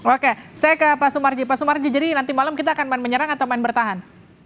oke saya ke pak sumarji pak sumarji jadi nanti malam kita akan main menyerang atau main bertahan